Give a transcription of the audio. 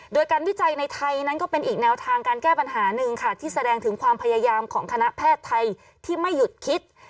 โดยการวิจัยในไทยนั้นก็เป็นอีกแนวทางการแก้ปัญหาหนึ่งค่ะที่แสดงถึงความพยายามของคณะแพทย์ไทยที่ไม่หยุดคิด